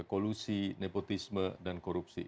kolusi nepotisme dan korupsi